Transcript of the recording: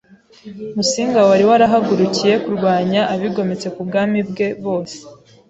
Musinga wari warahagurukiye kurwanya abigometse ku bwami bwe bose